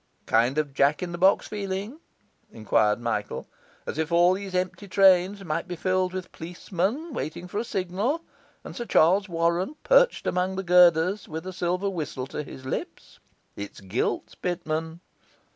'Kind of Jack in the box feeling?' enquired Michael, 'as if all these empty trains might be filled with policemen waiting for a signal? and Sir Charles Warren perched among the girders with a silver whistle to his lips? It's guilt, Pitman.